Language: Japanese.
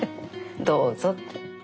「どうぞ」って。